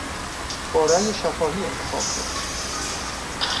با رای شفاهی انتخاب شد.